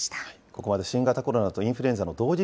ここまで新型コロナとインフルエンザの同時